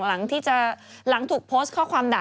หลังที่จะหลังถูกโพสข้อความด่า